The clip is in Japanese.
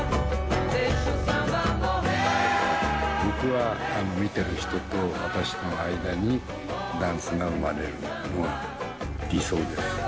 僕は観てる人と私との間にダンスが生まれるのが理想です。